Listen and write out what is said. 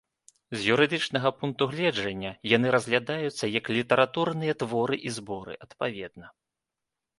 З юрыдычнага пункту гледжання яны разглядаюцца як літаратурныя творы і зборы, адпаведна.